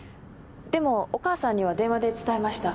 でもお義母さんには電話で伝えました。